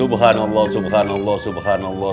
subhanallah subhanallah subhanallah